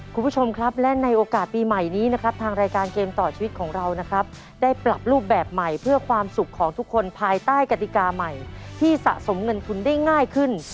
คุณผู้ชมครับและในโอกาสปีใหม่นี้นะครับทางรายการเกมต่อชีวิตของเรานะครับได้ปรับรูปแบบใหม่เพื่อความสุขของทุกคนภายใต้กติกาใหม่ที่สะสมเงินทุนได้ง่ายขึ้น